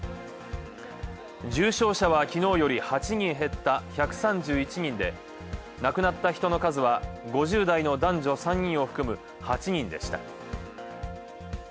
重症者は昨日より８人減った１３１人で亡くなった人の数は５０代の男女３人を含む８人でした。